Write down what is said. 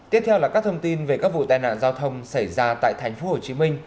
tiếp theo là các thông tin về các vụ tai nạn giao thông xảy ra tại thành phố hồ chí minh